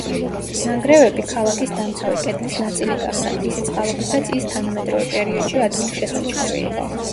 ნანგრევები ქალაქის დამცავი კედლის ნაწილი გახდა, რისი წყალობითაც ის თანამედროვე პერიოდშიც ადვილი შესამჩნევი იყო.